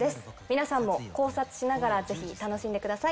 皆さんも考察しながらぜひ楽しんでください。